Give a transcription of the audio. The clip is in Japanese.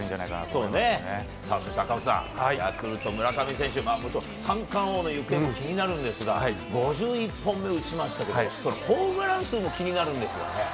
そうですね、赤星さん、ヤクルト、村上選手、本当、三冠王の行方も気になるんですが、５１本目、打ちましたけど、ホームラン数も気になるんですよね。